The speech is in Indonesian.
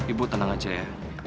ibu tenang aja ya